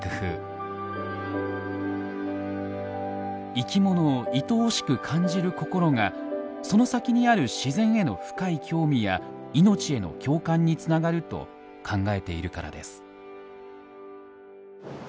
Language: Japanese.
生きものをいとおしく感じる心がその先にある自然への深い興味や命への共感につながると考えているからです。